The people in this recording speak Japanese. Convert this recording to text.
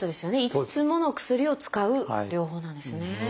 ５つもの薬を使う療法なんですね。